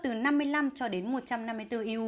từ năm mươi năm cho đến một trăm năm mươi bốn eu